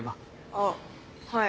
あっはい。